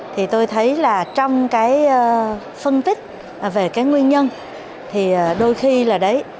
thì tôi thấy là trong cái phân tích về cái nguyên nhân thì đôi khi là đấy